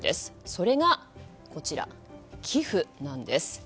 それが、寄付なんです。